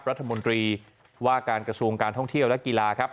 รัฐมนตรีว่าการกระทรวงการท่องเที่ยวและกีฬาครับ